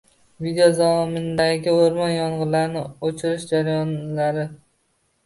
Video: Zomindagi o‘rmon yong‘inlarini o‘chirish jarayonlari